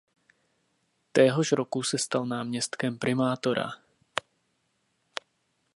Téhož roku se stal náměstkem primátora.